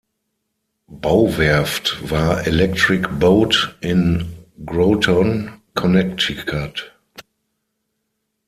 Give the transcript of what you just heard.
Bauwerft war Electric Boat in Groton, Connecticut.